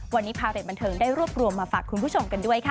วันนี้พาเรทบันเทิงได้รวบรวมมาฝากคุณผู้ชมกันด้วยค่ะ